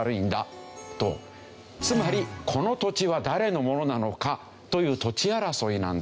つまりこの土地は誰のものなのかという土地争いなんだ。